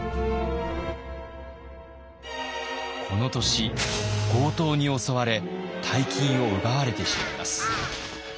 この年強盗に襲われ大金を奪われてしまいます。